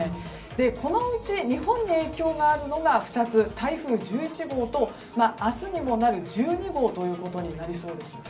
このうち日本に影響があるのが２つ台風１１号と、明日にもなる１２号となりそうです。